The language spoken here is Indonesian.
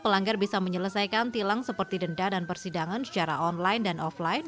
pelanggar bisa menyelesaikan tilang seperti denda dan persidangan secara online dan offline